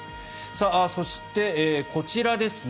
そして、こちらですね。